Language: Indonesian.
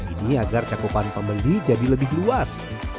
ini agar cakupan pembeli jadi lebih luas